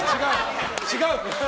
違う！